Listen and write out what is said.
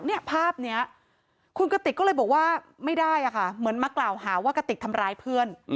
เนี่ยภาพนี้คุณกติกก็เลยบอกว่าไม่ได้อะค่ะเหมือนมากล่าวหาว่ากระติกทำร้ายเพื่อน